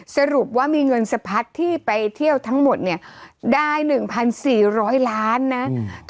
สรุปว่ามีเงินสะพัดที่ไปเที่ยวทั้งหมดเนี่ยได้๑๔๐๐ล้านนะ